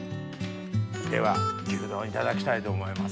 では牛丼いただきたいと思います。